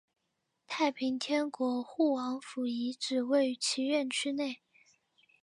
太平天国护王府遗址位于其院区内。